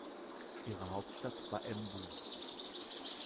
Ihre Hauptstadt war Embu.